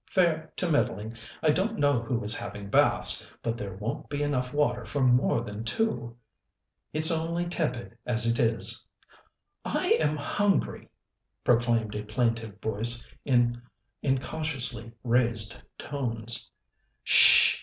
"Fair to middling. I don't know who is having baths, but there won't be enough water for more than two." "It's only tepid as it is." "I am hungry," proclaimed a plaintive voice in incautiously raised tones. "H'sh sh!